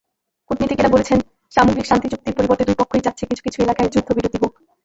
কূটনীতিকেরা বলছেন, সামগ্রিক শান্তিচুক্তির পরিবর্তে দুই পক্ষই চাচ্ছে কিছু কিছু এলাকায় যুদ্ধবিরতি হোক।